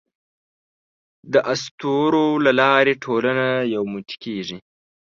د اسطورو له لارې ټولنه یو موټی کېږي.